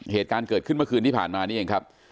เหตุการณ์เกิดขึ้นเมื่อคืนที่ผ่านมานี่เองครับ